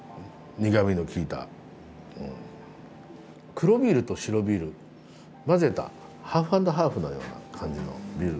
黒ビールと白ビール混ぜたハーフ＆ハーフのような感じのビール。